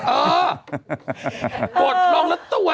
เออเกิดลองละตัว